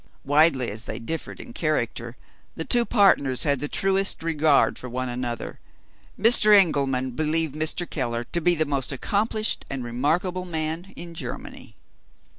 Widely as they differed in character, the two partners had the truest regard for one another. Mr. Engelman believed Mr. Keller to be the most accomplished and remarkable man in Germany.